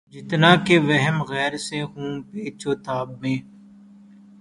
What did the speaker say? جتنا کہ وہمِ غیر سے ہوں پیچ و تاب میں